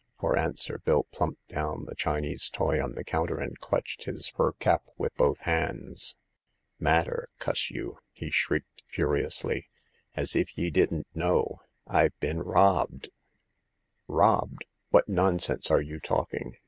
For an swer Bill plumped down the Chinese toy on the counter, and clutched his fur cap with both hands. " Matter, cuss you !" he shrieked, furiously— " as if ye didn't know ! I've been robbed !"Robbed ! What nonsense are you talking